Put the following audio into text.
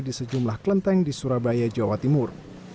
di sejumlah kelenteng di surabaya jawa timur